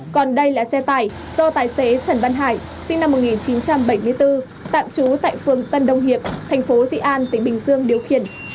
còn đây là xe tải do tài xế trần văn hải sinh năm một nghìn chín trăm bảy mươi bốn tạm trú tại phường tân đông hiệp thành phố dị an tỉnh bình dương điều khiển